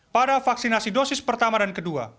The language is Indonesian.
pada vaksinasi dosis pertama dan kedua